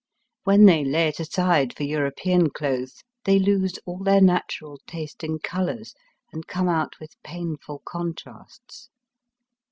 When they lay it aside for European clothes they lose aU their natural taste in colours, and come out with painful contrasts.